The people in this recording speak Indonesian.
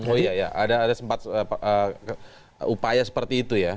oh iya ya ada sempat upaya seperti itu ya